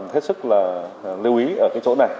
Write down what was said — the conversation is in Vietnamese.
hết sức là lưu ý ở cái chỗ này